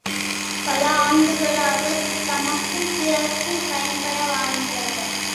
பல ஆண்டுகளாகத் தமக்கும் பிறர்க்கும் பயன்பட வாழ்ந்தவர்.